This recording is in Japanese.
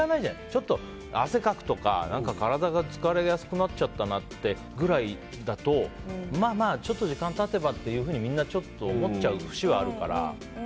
ちょっと汗かくとか体が疲れやすくなっちゃったなってぐらいだとまあまあちょっと時間が経てばってみんな思っちゃう節はあるから。